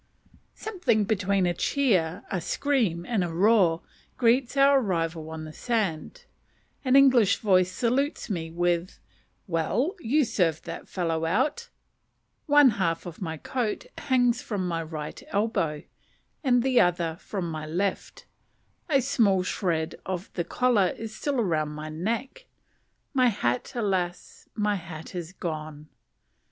Something between a cheer, a scream, and a roar, greets our arrival on the sand. An English voice salutes me with "Well, you served that fellow out." One half of my coat hangs from my right elbow, the other from my left; a small shred of the collar is still around my neck. My hat, alas! my hat is gone.